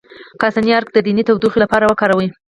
د کاسني عرق د ینې د تودوخې لپاره وکاروئ